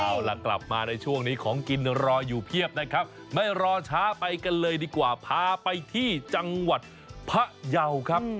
เอาล่ะกลับมาในช่วงนี้ของกินรออยู่เพียบนะครับไม่รอช้าไปกันเลยดีกว่าพาไปที่จังหวัดพะเยาครับ